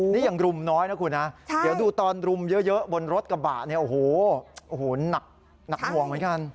นี่ยังรุมน้อยนะคุณนะเดี๋ยวดูตอนรุมเยอะบนรถกระบะเนี่ยโอ้โหหนักหน่วงเหมือนกัน